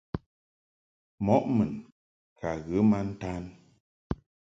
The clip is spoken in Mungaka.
Mɔʼ mun ka ghə ma ntan.